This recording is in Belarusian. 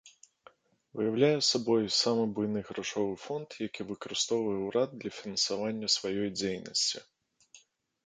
Уяўляе сабой самы буйны грашовы фонд, які выкарыстоўвае ўрад для фінансавання сваёй дзейнасці.